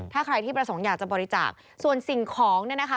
ถ้าใครที่ประสงค์อยากจะบริจาคส่วนสิ่งของเนี่ยนะคะ